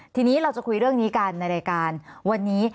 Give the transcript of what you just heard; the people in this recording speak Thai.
ทีนี้เราจะคุยเรื่องนี้กันในรายการวันนี้